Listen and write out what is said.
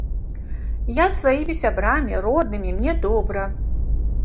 Я з сваімі сябрамі, роднымі, мне добра.